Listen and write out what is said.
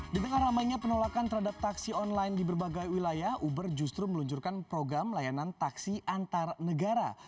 di tengah ramainya penolakan terhadap taksi online di berbagai wilayah uber justru meluncurkan program layanan taksi antar negara